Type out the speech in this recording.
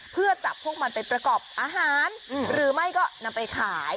เพื่อจับพวกมันไปประกอบอาหารหรือไม่ก็นำไปขาย